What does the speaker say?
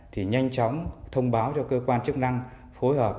thì nhanh chóng thông báo cho cơ quan chức năng phối hợp